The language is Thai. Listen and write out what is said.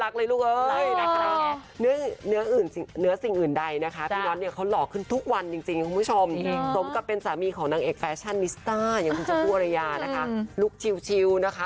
คุณผู้ชมผู้อรัยานะคะลูกชิวชิวนะคะ